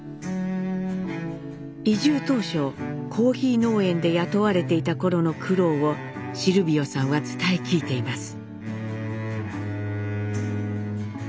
移住当初コーヒー農園で雇われていた頃の苦労をシルビオさんは伝え聞いています。